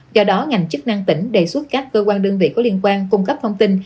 do đó ngành chức năng tỉnh đề xuất các cơ quan đơn vị có liên quan cung cấp thông tin